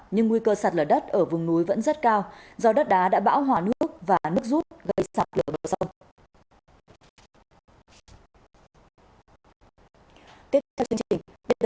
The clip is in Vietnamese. nhưng nguy cơ sặt lở đất ở vùng núi vẫn rất cao do đất đá đã bão hòa nước và nước rút gây sặt lở đất sâu